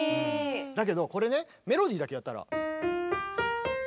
だけどこれねメロディーだけやったら。